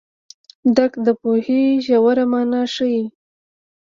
درک د پوهې ژوره مانا ښيي.